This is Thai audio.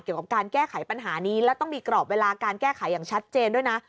เกี่ยวกับการแก้ไขปัญหานี้แล้วต้องมีกรอบเวลาการแก้ไขอย่างชัดเจนด้วยนะ